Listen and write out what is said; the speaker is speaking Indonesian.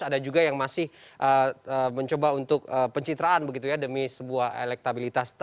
ada juga yang masih mencoba untuk pencitraan begitu ya demi sebuah elektabilitas